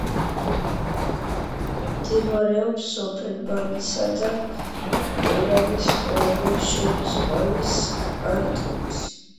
მდებარეობს სოფელ ბანისა და ერანის ხეობებს შორის, ვალეს კანტონში.